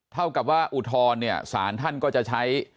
เท่ากับว่าอุทธรณ์เนี่ยสารท่านก็จะใช้